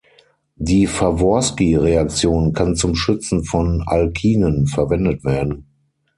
Die Faworski-Reaktion kann zum Schützen von Alkinen verwendet werden.